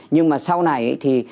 nhưng mà sau này